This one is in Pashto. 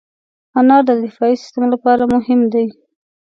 انار د دفاعي سیستم لپاره مهم دی.